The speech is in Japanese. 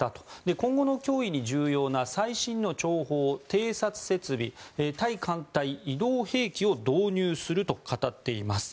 今後の脅威に重要な最新の諜報・偵察設備対艦隊移動兵器を導入すると語っています。